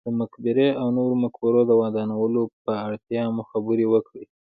د مقبرې او نورو مقبرو د ودانولو پر اړتیا مو خبرې وکړې.